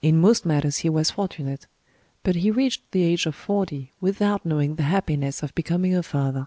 In most matters he was fortunate; but he reached the age of forty without knowing the happiness of becoming a father.